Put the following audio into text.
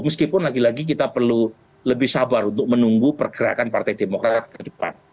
meskipun lagi lagi kita perlu lebih sabar untuk menunggu pergerakan partai demokrat ke depan